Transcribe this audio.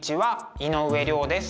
井上涼です。